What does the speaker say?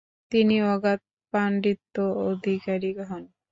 তিনি অগাধ পাণ্ডিত্য অধিকারী হন।